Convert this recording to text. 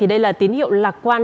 đây là tín hiệu lạc quan